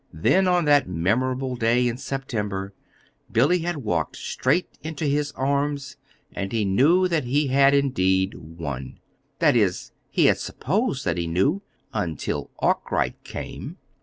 Then, on that memorable day in September, Billy had walked straight into his arms; and he knew that he had, indeed, won. That is, he had supposed that he knew until Arkwright came.